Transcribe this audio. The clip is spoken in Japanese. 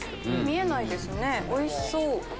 見えないですねおいしそう！